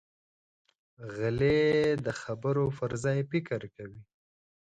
غلی، د خبرو پر ځای فکر کوي.